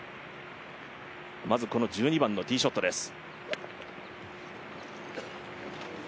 まず１２番のティーショットです。